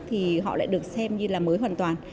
thì họ lại được xem như là mới hoàn toàn